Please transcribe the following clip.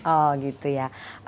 oh gitu ya